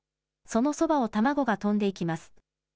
そのそばを卵が飛んでいきます。